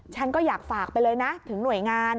ฉันก็อยากฝากไปเลยนะถึงหน่วยงาน